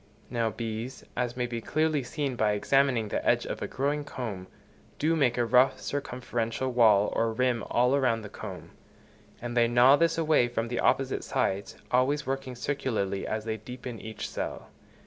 Now bees, as may be clearly seen by examining the edge of a growing comb, do make a rough, circumferential wall or rim all round the comb; and they gnaw this away from the opposite sides, always working circularly as they deepen each cell.